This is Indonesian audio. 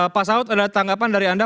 pak saud ada tanggapan dari anda